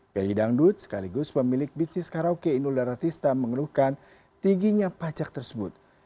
pihak idangdut sekaligus pemilik bisnis karaoke indul daratista mengenuhkan tingginya pajak tersebut